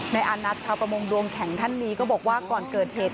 อานัทชาวประมงดวงแข็งท่านนี้ก็บอกว่าก่อนเกิดเหตุ